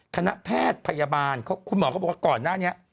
คณะแพทย์พยาบาลคุณหมอเขาบอกว่าก่อนหน้านี้